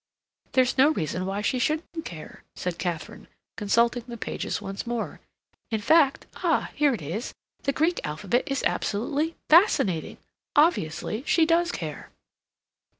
"There's no reason why she shouldn't care," said Katharine, consulting the pages once more. "In fact—ah, here it is—'The Greek alphabet is absolutely fascinating.' Obviously she does care."